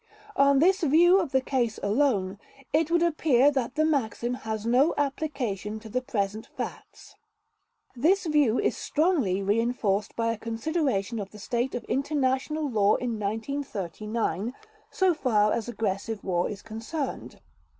On this view of the case alone, it would appear that the maxim has no application to the present facts. This view is strongly reinforced by a consideration of the state of international law in 1939, so far as aggressive war is concerned.